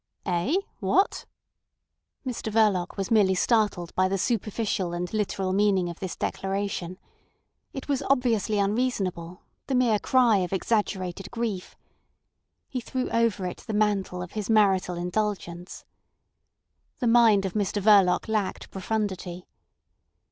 "Eh? What!" Mr Verloc was merely startled by the superficial and literal meaning of this declaration. It was obviously unreasonable, the mere cry of exaggerated grief. He threw over it the mantle of his marital indulgence. The mind of Mr Verloc lacked profundity.